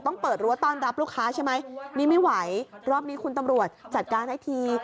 เปิดรั้วต้อนรับลูกค้าใช่ไหมนี่ไม่ไหวรอบนี้คุณตำรวจจัดการให้ที